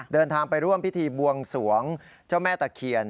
เดินทางไปร่วมพิธีบวงสวงเจ้าแม่ตะเคียน